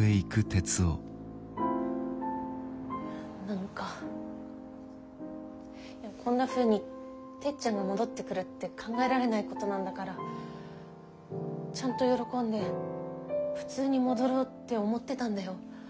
何かこんなふうにてっちゃんが戻ってくるって考えられないことなんだからちゃんと喜んで普通に戻ろうって思ってたんだよ？